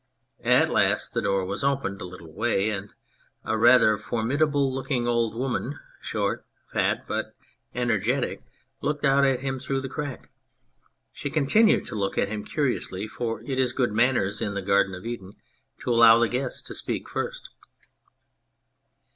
At last the door was opened a little way and a rather for bidding looking old woman, short, fat, but energetic, looked out at him through the crack. She continued to look at him curiously, for it is good manners in the Garden of Eden to allow the guest to speak first.